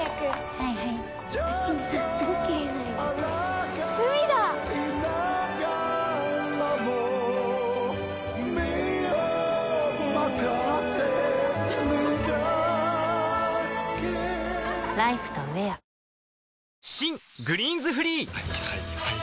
はいはいはいはい。